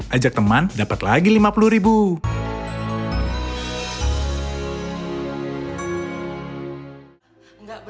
ajak teman dapat lagi lima puluh ribu